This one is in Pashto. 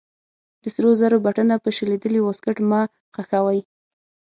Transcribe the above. د سرو زرو بټنه په شلېدلې واسکټ مه خښوئ.